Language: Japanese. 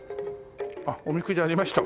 あっおみくじありました。